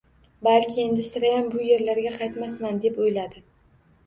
Balki endi sirayam bu yerlarga qaytmasman, deb o‘yladi.